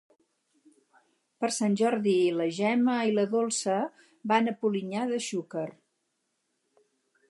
Per Sant Jordi na Gemma i na Dolça van a Polinyà de Xúquer.